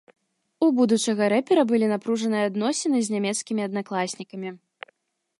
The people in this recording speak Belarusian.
У будучага рэпера былі напружаныя адносіны з нямецкімі аднакласнікамі.